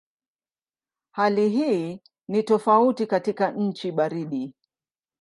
Hali hii ni tofauti katika nchi baridi.